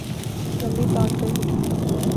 لمبی تان کر اُٹھی